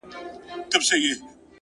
• تباهي به وي په برخه د مرغانو ,